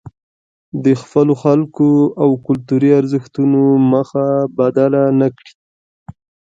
د خپلو خلکو او کلتوري ارزښتونو مخه بدله نکړي.